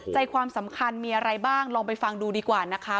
ใจความสำคัญมีอะไรบ้างลองไปฟังดูดีกว่านะคะ